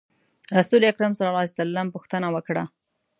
رسول اکرم صلی الله علیه وسلم پوښتنه وکړه.